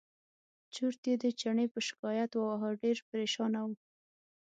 چورت یې د چڼي په شکایت وواهه ډېر پرېشانه و.